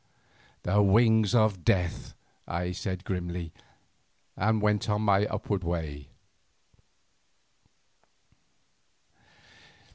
"The wings of Death," I said grimly, and went on my upward way.